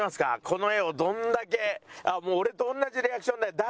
この画をどれだけもう俺と同じリアクションだよ。